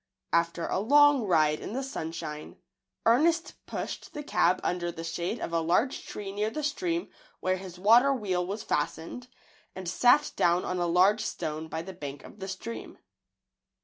After a long ride in the sunshine, Ernest pushed the cab under the shade of a large tree near the stream where his water wheel was fastened, and sat down on a large stone by the bank of the stream.